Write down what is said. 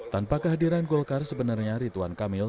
tanpa kehadiran golkar sebenarnya rituan kamil